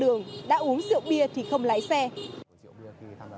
đã uống rượu bia thì không lái xe